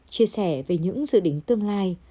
chia sẻ về những dự định tương lai